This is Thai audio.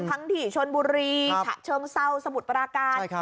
ที่ชนบุรีฉะเชิงเศร้าสมุทรปราการ